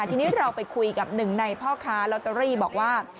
ทีนี้เราไปคุยกับหนึ่งในพ่อค้าลอตเตอรี่บอกว่า